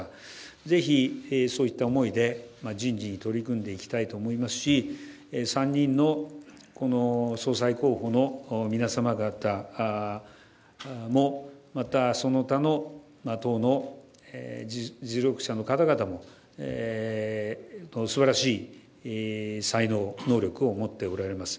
ぜひ、そういった思いで人事に取り組んでいきたいと思いますし３人の総裁候補の皆様方も、またその他の党の実力者に方々もすばらしい才能、能力を持っておられます。